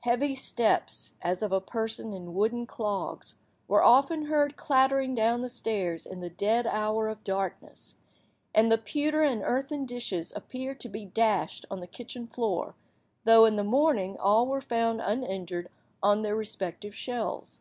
Heavy steps, as of a person in wooden clogs, were often heard clattering down the stairs in the dead hour of darkness, and the pewter and earthen dishes appeared to be dashed on the kitchen floor, though, in the morning, all were found uninjured on their respective shelves.